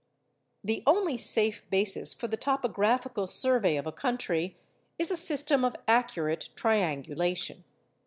The only safe basis for the topographical survey of a country is a system of accurate triangulation.